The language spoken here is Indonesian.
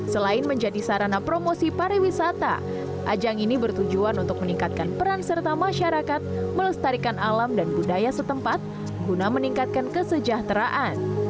selain menjadi sarana promosi pariwisata ajang ini bertujuan untuk meningkatkan peran serta masyarakat melestarikan alam dan budaya setempat guna meningkatkan kesejahteraan